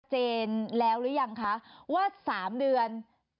เจนแล้วหรือยังคะว่า๓เดือน